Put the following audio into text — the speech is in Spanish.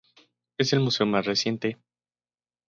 Es el museo más reciente.